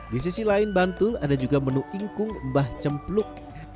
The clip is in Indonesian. di sisi lain bantul ada juga menu ingkung mbah cempluk